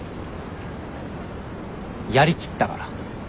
やりきったから。